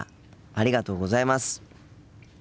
ありがとうございます。